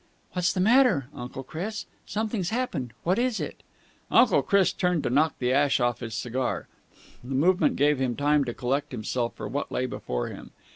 "What's the matter, Uncle Chris? Something's happened. What is it?" Uncle Chris turned to knock the ash off his cigar. The movement gave him time to collect himself for what lay before him.